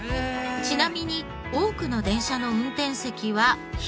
ちなみに多くの電車の運転席は左。